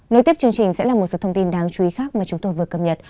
nối tiếp chương trình sẽ là một số thông tin đáng chú ý khác mà chúng tôi vừa cập nhật